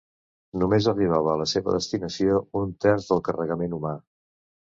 Només arribava a la seva destinació un terç del carregament humà.